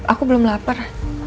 aku belom lapar